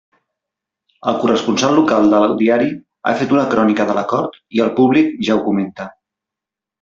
El corresponsal local del diari ha fet una crònica de l'acord i el públic ja ho comenta.